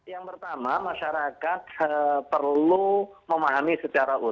yang pertama masyarakat perlu memahami secara utuh